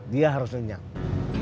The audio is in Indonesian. dia harus lenyap